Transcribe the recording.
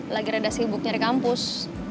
lagi rada sibuk nyari kampus